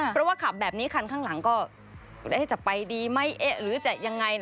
เพราะว่าขับแบบนี้คันข้างหลังก็จะไปดีไหมหรือจะยังไง